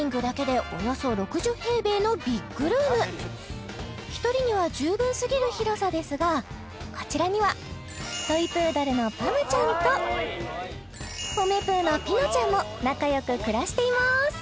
なんと１人には十分すぎる広さですがこちらにはトイプードルのパムちゃんとポメプーのピノちゃんも仲よく暮らしています